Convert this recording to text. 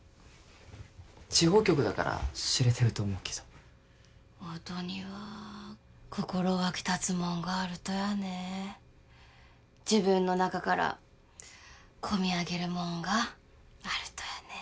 地方局だから知れてると思うけど音には心沸き立つもんがあるとやね自分の中からこみ上げるもんがあるとやね